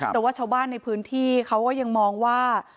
แต่ว่าชาวบ้านในพื้นที่เขาก็ยังมองว่า